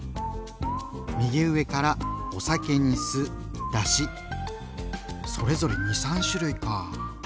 右上からお酒に酢だしそれぞれ２３種類かぁ。